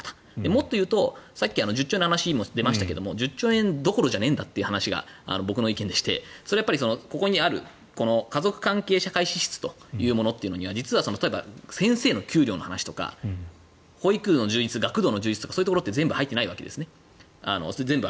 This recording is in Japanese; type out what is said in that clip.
もっと言うと、さっき１０兆円の話が出ましたが１０兆円どころじゃねえんだというのが僕の意見でしてそれは、ここにある家族関係社会支出というものには実は先生の給料の話とか保育、学童の充実そういうところって全部入っていないわけですと。